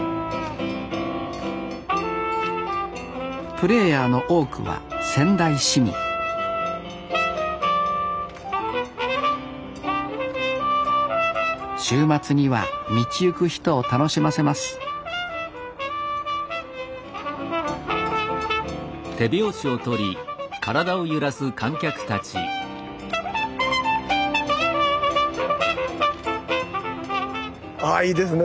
プレーヤーの多くは仙台市民週末には道行く人を楽しませますああいいですね。